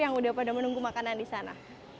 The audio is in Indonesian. yang sudah menunggu makanan di sana